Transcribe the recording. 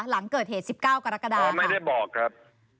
หลังเกิดเหตุ๑๙กรกฎาไม่ได้บอกครับ